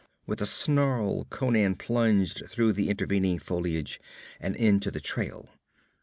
With a snarl Conan plunged through the intervening foliage and into the trail.